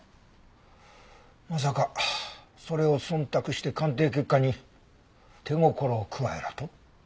まさかそれを忖度して鑑定結果に手心を加えろと？